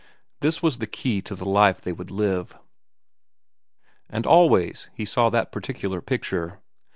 This was the key to the life they would live. And always he saw that particular picture.